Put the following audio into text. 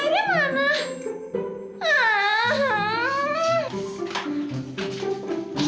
mereka kok biar dibuka